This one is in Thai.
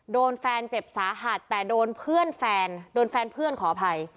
โดนแฟนเจ็บสาหัสแต่โดนเพื่อนเพื่อนขออภัย